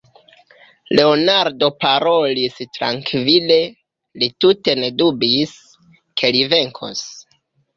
Leonardo parolis trankvile; li tute ne dubis, ke li venkos.